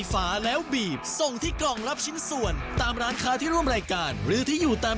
มาฟังกติกากันก่อนจ้า